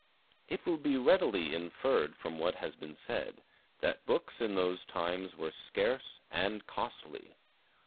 It will be readily inferred from what has been said that books in those times were scarce and costly.